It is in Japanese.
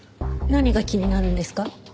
何が気になるんですか？